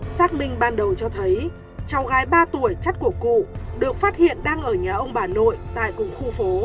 xác minh ban đầu cho thấy cháu gái ba tuổi chất của cụ được phát hiện đang ở nhà ông bà nội tại cùng khu phố